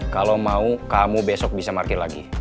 kalau mau kamu besok bisa marki lagi